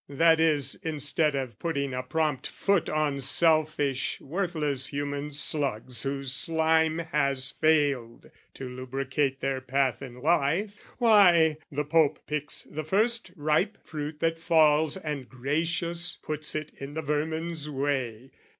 That is, instead of putting a prompt foot On selfish worthless human slugs whose slime Has failed to lubricate their path in life, Why, the Pope picks the first ripe fruit that falls And gracious puts it in the vermin's way.